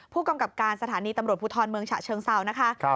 ผู้กำกับการสถานีตำรวจภูทรเมืองฉะเชิงเซานะคะ